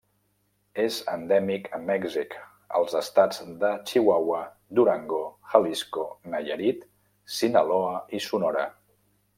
És endèmic a Mèxic, als estats de Chihuahua, Durango, Jalisco, Nayarit, Sinaloa i Sonora.